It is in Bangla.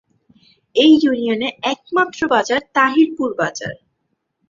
এই ইউনিয়নে একমাত্র বাজার তাহিরপুর বাজার।